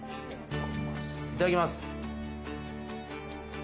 いただきます。